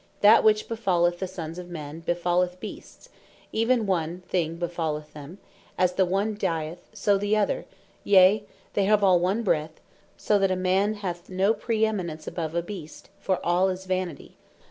"That which befalleth the Sons of Men, befalleth Beasts, even one thing befalleth them; as the one dyeth, so doth the other; yea, they have all one breath (one spirit;) so that a Man hath no praeeminence above a Beast, for all is vanity."